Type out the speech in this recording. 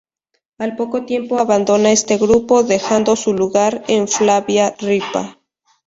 Al poco tiempo abandona este grupo, dejando su lugar a Flavia Ripa.